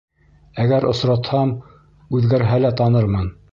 Әгәр осратһам, үҙгәрһә лә танырмын!